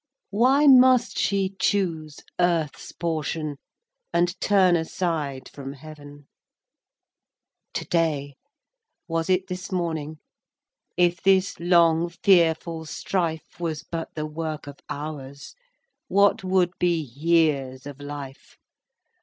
Why must she choose earth's portion, And turn aside from Heaven? XIV. To day! Was it this morning? If this long, fearful strife Was but the work of hours, What would be years of life?